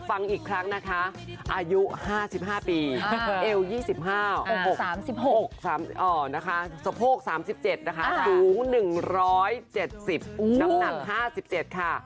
ฟังอีกครั้งนะคะอายุ๕๕ปีเอว๒๕นะคะสะโพก๓๗นะคะสูง๑๗๐น้ำหนัก๕๗ค่ะ